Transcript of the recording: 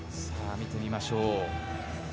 見てみましょう。